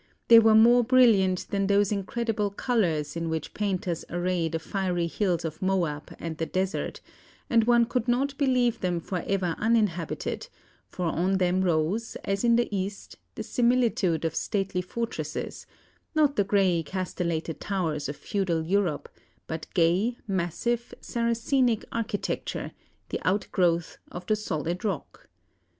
They were more brilliant than those incredible colours in which painters array the fiery hills of Moab and the Desert, and one could not believe them for ever uninhabited, for on them rose, as in the East, the similitude of stately fortresses, not the grey castellated towers of feudal Europe, but gay, massive, Saracenic architecture, the outgrowth of the solid rock.